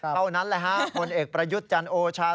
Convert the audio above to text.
เท่านั้นแหละฮะผลเอกประยุทธ์จันทร์โอชา